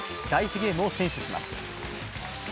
ゲームを先取します。